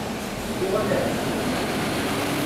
Uɣal ar deffir.